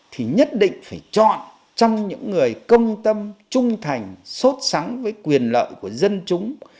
thì nhất định phải chọn trong những người công tâm trung thành sốt sáng với quyền lợi của dân chúng